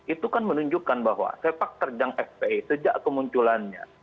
itu kan menunjukkan bahwa sepak terjang fpi sejak kemunculannya